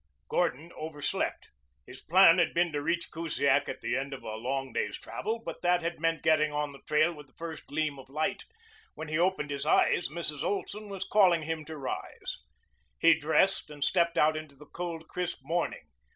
Gordon overslept. His plan had been to reach Kusiak at the end of a long day's travel, but that had meant getting on the trail with the first gleam of light. When he opened his eyes Mrs. Olson was calling him to rise. He dressed and stepped out into the cold, crisp morning.